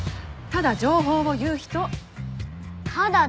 「ただ情報を言う人」。